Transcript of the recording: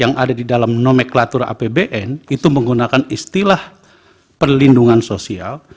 yang ada di dalam nomenklatur apbn itu menggunakan istilah perlindungan sosial